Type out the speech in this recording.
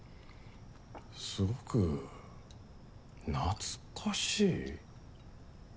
すごく懐かしい？